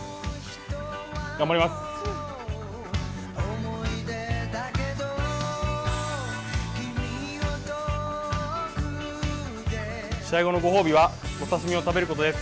頑張ります。